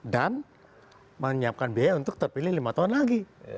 dan menyiapkan biaya untuk terpilih lima tahun lagi